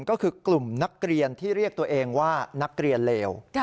ก็คือกลุ่มนักเรียนที่เรียกตัวเองว่านักเรียนเลว